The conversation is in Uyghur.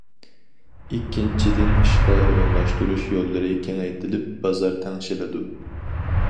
ئىككىنچىدىن، ئىشقا ئورۇنلاشتۇرۇش يوللىرى كېڭەيتىلىپ، بازار تەڭشىلىدۇ.